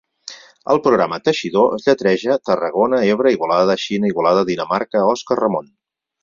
El programa 'Teixidor' es lletreja Tarragona-Ebre-Igualada-Xina-Igualada-Dinamarca-Òscar-Ramon.